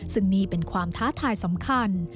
ซึ่งนี่เป็นความท้าทายสำคัญ